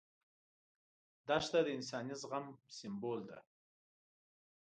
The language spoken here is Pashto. دښته د انساني زغم سمبول ده.